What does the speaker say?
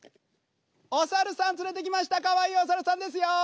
お猿さん連れてきましたかわいいお猿さんですよ。